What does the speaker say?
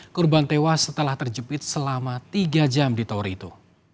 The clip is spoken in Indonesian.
korban tewas setelah terjepit selama tiga jam di tower itu